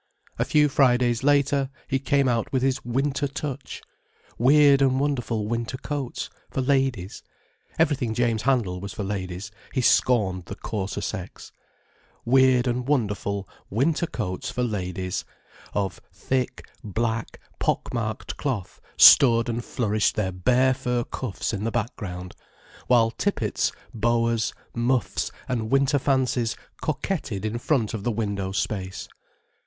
A few Fridays later he came out with his Winter Touch. Weird and wonderful winter coats, for ladies—everything James handled was for ladies, he scorned the coarser sex—: weird and wonderful winter coats for ladies, of thick, black, pockmarked cloth, stood and flourished their bear fur cuffs in the background, while tippets, boas, muffs and winter fancies coquetted in front of the window space.